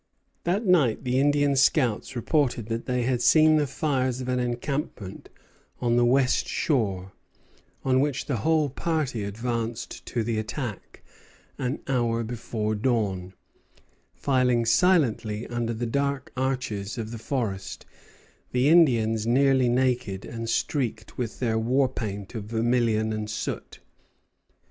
That night the Indian scouts reported that they had seen the fires of an encampment on the west shore; on which the whole party advanced to the attack, an hour before dawn, filing silently under the dark arches of the forest, the Indians nearly naked, and streaked with their war paint of vermilion and soot.